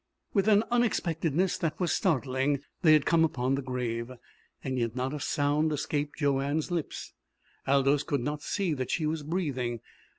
With an unexpectedness that was startling they had come upon the grave. Yet not a sound escaped Joanne's lips. Aldous could not see that she was breathing.